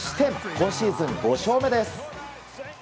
今シーズン５勝目です。